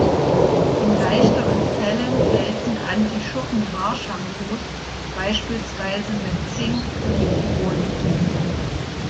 In leichteren Fällen helfen Anti-Schuppen-Haarshampoos, beispielsweise mit Zink-Pyrithion.